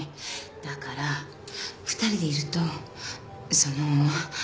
だから２人でいるとその。